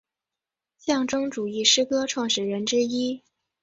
象征主义诗歌的创始人之一。